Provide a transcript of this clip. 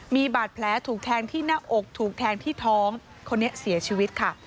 มีบาดแผลถูกแทงที่หน้าอกถูกแทงที่ท้องคนนี้เสียชีวิตค่ะ